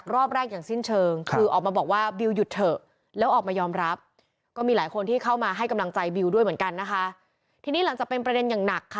ลบแอคเคาต์ทวิตเตอร์เลย